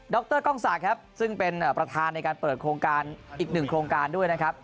รกล้องศักดิ์ครับซึ่งเป็นประธานในการเปิดโครงการอีกหนึ่งโครงการด้วยนะครับ